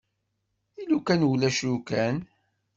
I lukan ulac lukan?